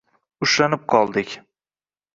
Ushlanib qoldik